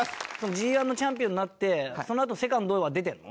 Ｇ−１のチャンピオンになってそのあとＳＥＣＯＮＤは出てるの？